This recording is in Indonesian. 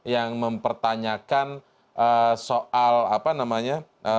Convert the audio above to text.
yang mempertanyakan soal apa namanya